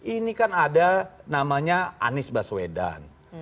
ini kan ada namanya anies baswedan